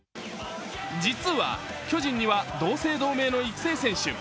実は巨人には同姓同名の育成選手